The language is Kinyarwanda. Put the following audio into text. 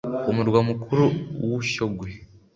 umurwa mukuru wu shyogwe